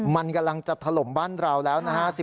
มันกำลังจะถล่มบ้านเราแล้วนะฮะ